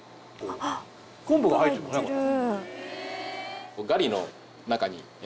昆布が入ってますねこれ。